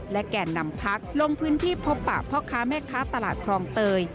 แก่นำพักลงพื้นที่พบปะพ่อค้าแม่ค้าตลาดคลองเตย